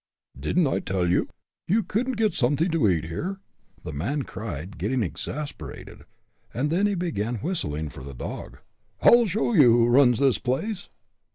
"Didn't I tell you, you couldn't get something to eat here?" the man cried, getting exasperated. Then he began whistling for the dog. "I'll show you who runs this place."